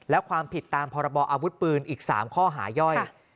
และความผิดตามพรบออาวุธปืนอีก๓ข้อหาย่อย